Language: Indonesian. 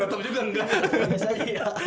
ketep juga enggak